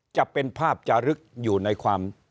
จะเป็นภาพจารึกอยู่ในความ